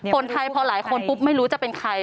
คนไทยพอหลายคนปุ๊บไม่รู้จะเป็นใคร